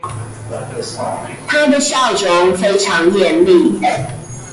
她的笑容非常豔麗